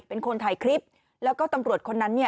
เป็นคนถ่ายคลิปแล้วก็ตำรวจคนนั้นเนี่ย